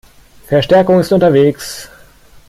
Verstärkung ist unterwegs.